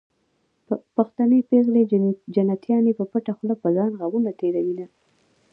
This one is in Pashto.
پښتنې پېغلې جنتيانې په پټه خوله په ځان غمونه تېروينه